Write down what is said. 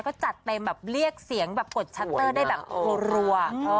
ก็จัดเต็มแบบเรียกเสียงแบบกดชัตเตอร์ได้แบบรัว